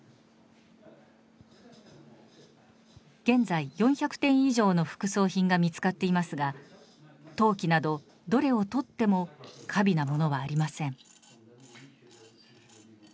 現在４００点以上の副葬品が見つかっていますが陶器などどれをとっても華美なものはありません。